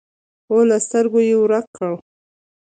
او له سترګو یې ورک کړ.